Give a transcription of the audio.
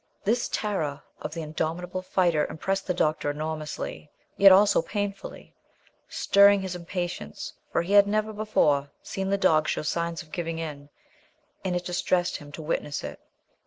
This terror of the indomitable fighter impressed the doctor enormously; yet also painfully; stirring his impatience; for he had never before seen the dog show signs of giving in, and it distressed him to witness it.